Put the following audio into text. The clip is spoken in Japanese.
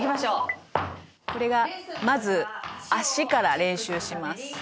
「これがまず足から練習します」